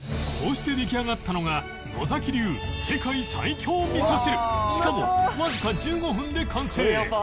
こうして出来上がったのが野流世界最強味噌汁しかもわずか１５分で完成！